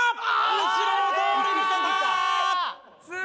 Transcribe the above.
後ろを通り抜けた！